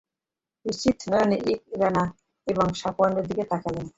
বিস্মিত নয়নে ইকরামা এবং সফওয়ানের দিকে তাকান।